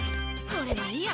これもいいや。